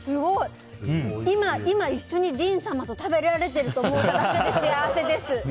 今、一緒にディーン様と食べられているだけで幸せです。